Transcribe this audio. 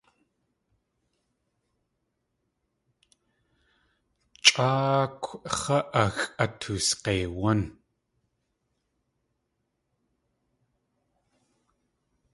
Chʼáakw x̲á áxʼ atoosg̲eiwún.